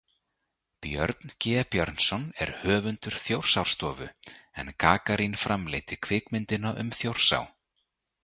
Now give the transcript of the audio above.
Björn G. Björnsson er hönnuður Þjórsárstofu, en Gagarín framleiddi kvikmyndina um Þjórsá.